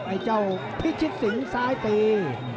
ไอ้เจ้าพิชิตสิงซ้ายตี